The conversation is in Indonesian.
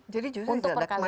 jadi justru tidak ada kemajuan